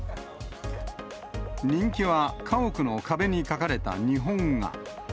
人気は、家屋の壁に描かれた日本画。